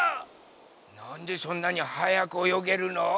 なんでそんなにはやくおよげるの？